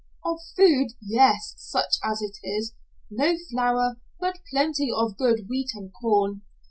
"Of food, yes. Such as it is. No flour, but plenty of good wheat and corn.